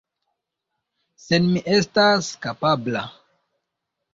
Se mi estas kapabla!